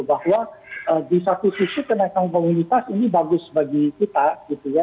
bahwa di satu sisi kenaikan komoditas ini bagus bagi kita gitu ya